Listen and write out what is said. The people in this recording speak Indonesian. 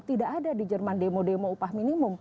tidak ada di jerman demo demo upah minimum